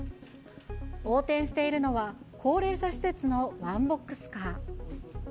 横転しているのは、高齢者施設のワンボックスカー。